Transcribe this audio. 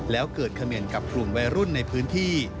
แล้วเกิดเขม่นกับกลุ่มวัยรุ่นในพื้นที่